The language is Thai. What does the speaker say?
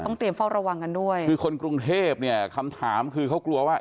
เตรียมเฝ้าระวังกันด้วยคือคนกรุงเทพเนี่ยคำถามคือเขากลัวว่า